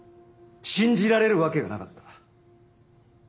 信じられるわけがなかった。